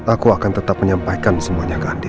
aku akan tetap menyampaikan semuanya ke andik